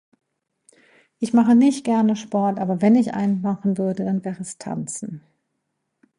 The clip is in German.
Ich mache nicht gerne Sport. Aber wenn ich einen machen würde, dann wäre es Tanzen